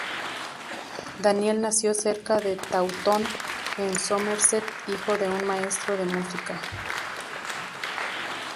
Daniel nació cerca de Taunton en Somerset, hijo de un maestro de música.